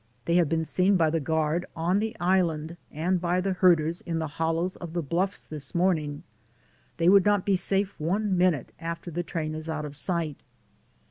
They have been seen by the guard, on the island, and by the herders, in the hollows of the bluffs this morning. They would not be safe one minute after the train is out of sight."